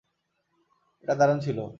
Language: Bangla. এটা দারুণ ছিল।